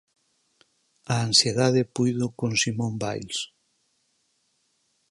A ansiedade puido con Simone Biles.